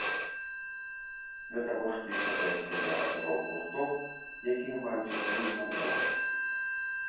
Да таго ж піша тэксты для рок-гуртоў, якія маюць уплыў на моладзь.